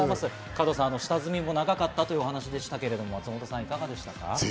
加藤さん、下積みも長かったってお話でしたけども、松本さん、いかがでしたか？